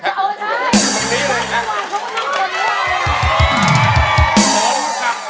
เออใช่